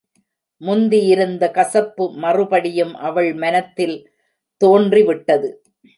முந்தி இருந்த கசப்பு மறுபடியும் அவள் மனத்தில் தோன்றிவிட்டது.